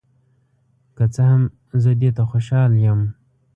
که څه هم، زه دې ته خوشحال یم.